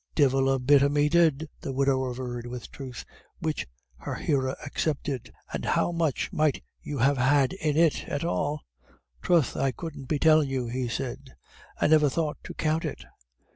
"Divil a bit of me did," the widow averred, with truth, which her hearer accepted. "And how much might you have had in it at all?" "Troth, I couldn't be tellin' you," he said; "I never thought to count it.